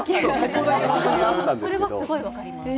それはすごいわかります。